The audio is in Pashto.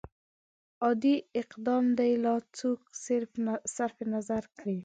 عادي اقدام دې لا څوک صرف نظر کړي.